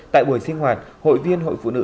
tại buổi sinh hoạt hội viên hội phụ nữ